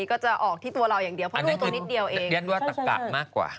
ก็จะออกที่ตัวเราอย่างเดียวเพราะลูกตัวนิดเดียวเองใช่ใช่อันนี้เรียนว่าตะกะมากกว่า